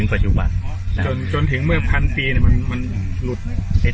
สวัสดีครับคุณผู้ชาย